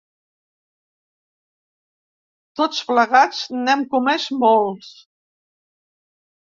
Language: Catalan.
Tots plegats n’hem comès molts.